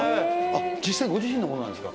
実際ご自身のものなんですか？